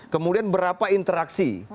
kemudian berapa interaksi